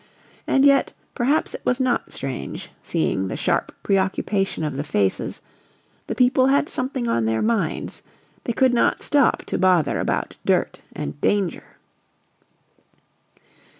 And yet, perhaps it was not strange, seeing the sharp preoccupation of the faces the people had something on their minds; they could not stop to bother about dirt and danger.